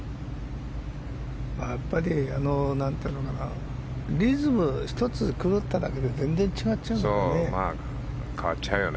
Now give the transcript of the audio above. やっぱりリズム１つ狂っただけで全然違っちゃうからね。